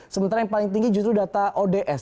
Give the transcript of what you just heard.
sementara yang paling tinggi justru data ods